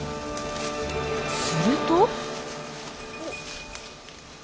すると。